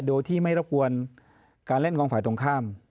โดยที่ไม่รบกวนการเล่นของฝ่ายตรงข้าม